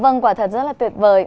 vâng quả thật rất là tuyệt vời